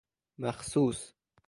مخصوص